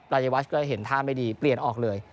รายวัชก็เห็นท่าไม่ดีเปลี่ยนออกเลย